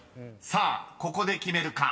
［さあここで決めるか］